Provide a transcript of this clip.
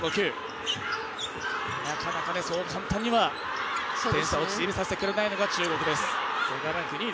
なかなかそう簡単には点差を縮めさせてくれないのが中国です。